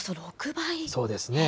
そうですね。